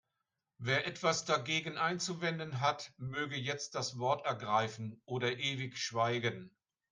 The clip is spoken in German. Wer etwas dagegen einzuwenden hat, möge jetzt das Wort ergreifen oder ewig schweigen.